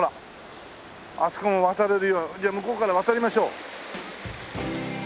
あそこに渡れるようにじゃあ向こうから渡りましょう。